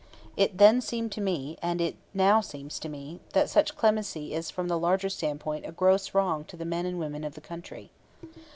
It then seemed to me, and it now seems to me, that such clemency is from the larger standpoint a gross wrong to the men and women of the country.